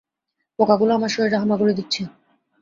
পোকাগুলো আমার শরীরে হামাগুড়ি দিচ্ছে।